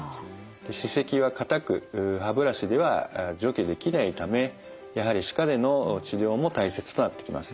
歯石は固く歯ブラシでは除去できないためやはり歯科での治療も大切となってきます。